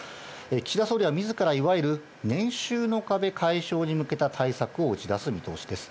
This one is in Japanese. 岸田総理はみずからいわゆる年収の壁解消に向けた対策を打ち出す見通しです。